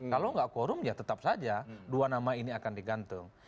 kalau nggak quorum ya tetap saja dua nama ini akan digantung